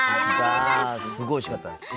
すごいおいしかったです。